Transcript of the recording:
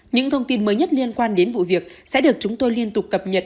những thông tin mới nhất liên quan đến vụ việc sẽ được chúng tôi liên tục cập nhật